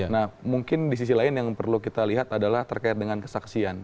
nah mungkin di sisi lain yang perlu kita lihat adalah terkait dengan kesaksian